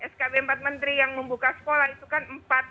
skb empat menteri yang membuka sekolah itu kan empat